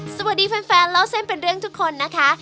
สวัสดีแฟนเล่าเส้นเป็นเรื่องทุกคนนะคะ